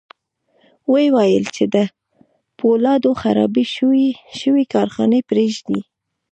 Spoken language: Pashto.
ويې ويل چې د پولادو خرابې شوې کارخانې پرېږدي.